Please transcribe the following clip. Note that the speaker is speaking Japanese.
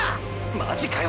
マジかよ！！